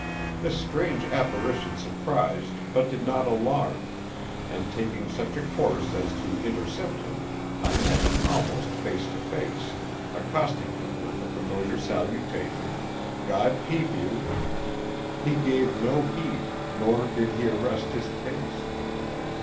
This strange apparition surprised but did not alarm, and taking such a course as to intercept him I met him almost face to face, accosting him with the familiar salutation, "God keep you." He gave no heed, nor did he arrest his pace.